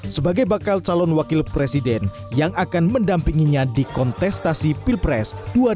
sebagai bakal calon wakil presiden yang akan mendampinginya di kontestasi pilpres dua ribu sembilan belas